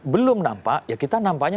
belum nampak ya kita nampaknya